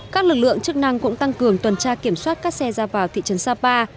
các lực lượng chức năng cũng tăng cường tuần tra kiểm soát các xe ra vào thị trấn sapa